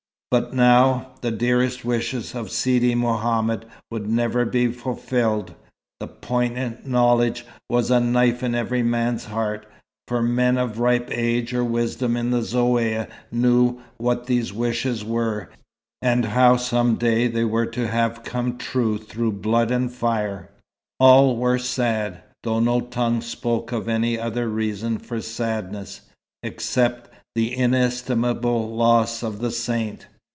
But now, the dearest wishes of Sidi Mohammed would never be fulfilled. That poignant knowledge was a knife in every man's heart; for men of ripe age or wisdom in the Zaouïa knew what these wishes were, and how some day they were to have come true through blood and fire. All were sad, though no tongue spoke of any other reason for sadness, except the inestimable loss of the Saint.